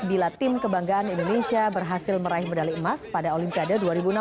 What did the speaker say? bila tim kebanggaan indonesia berhasil meraih medali emas pada olimpiade dua ribu enam belas